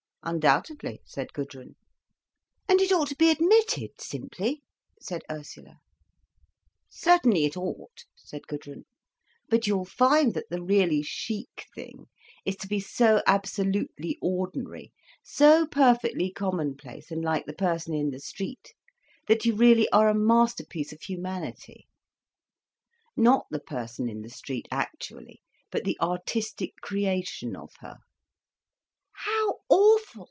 "Undoubtedly!" said Gudrun. "And it ought to be admitted, simply," said Ursula. "Certainly it ought," said Gudrun. "But you'll find that the really chic thing is to be so absolutely ordinary, so perfectly commonplace and like the person in the street, that you really are a masterpiece of humanity, not the person in the street actually, but the artistic creation of her—" "How awful!"